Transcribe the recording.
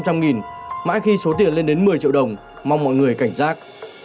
mỗi khi số tiền lên đến một mươi triệu đồng mong mọi người cảnh giác